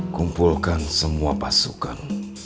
kumpulkan semua pasukan